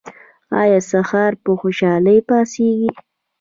ایا سهار په خوشحالۍ پاڅیږئ؟